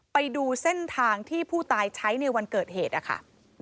ไปดูเส้นทางที่ผู้ตายใช้ในวันเกิดเหตุนะคะ